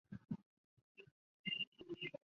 瑞典西印度公司贸易而成立的瑞典公司。